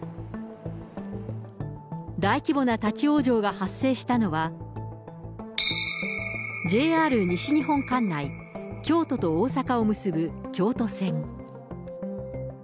大規模な立往生が発生したのは、ＪＲ西日本管内、京都と大阪を結ぶ京都線。